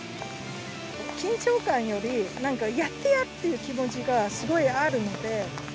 緊張感より、なんかやってやるっていう気持ちがすごいあるので。